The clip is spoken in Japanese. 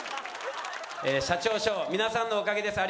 社長賞皆さんのおかげです。